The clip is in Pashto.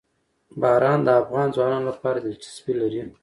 باران د افغان ځوانانو لپاره دلچسپي لري.